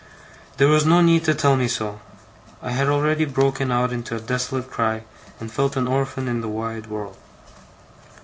There was no need to tell me so. I had already broken out into a desolate cry, and felt an orphan in the wide world.